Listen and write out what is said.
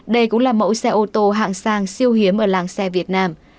đây cũng là mẫu xe ô tô hạng sang siêu hiếm ở làng xe việt nam